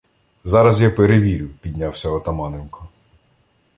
Зараз я перевірю, - піднявся Отаманенко.